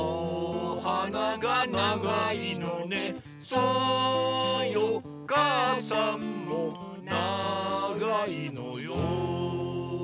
「そうよかあさんもながいのよ」